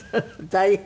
大変。